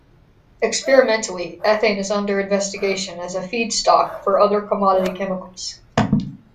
Experimentally, ethane is under investigation as a feedstock for other commodity chemicals.